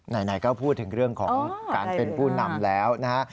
ไหนก็พูดถึงเรื่องของการเป็นผู้นำแล้วนะฮะ